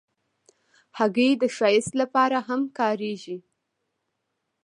هګۍ د ښایست لپاره هم کارېږي.